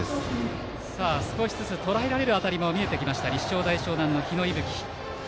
少しずつとらえられる当たりが出てきた立正大淞南の日野勇吹。